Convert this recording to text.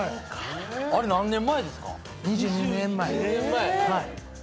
あれ何年前ですか？